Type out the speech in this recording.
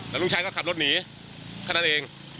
แล้วลูกชายก็ขับรถหนีแค่นั้นเอง